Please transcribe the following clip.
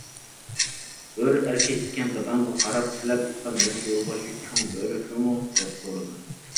بۆرە ئەركەك ئىكەن، دادامغا قاراپ،« سىلە ئېيتقان ھېلىقى يولباشچى چوڭ بۆرە شۇمۇ؟» دەپ سورىدىم.